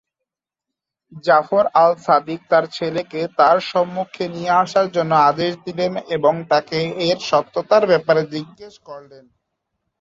জাফর আল সাদিক তার ছেলেকে তার সম্মুখে নিয়ে আসার জন্য আদেশ দিলেন এবং তাকে এর সত্যতার ব্যাপারে জিজ্ঞেস করলেন।